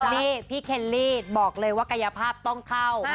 นี่พี่เคลลี่บอกเลยว่ากายภาพต้องเข้า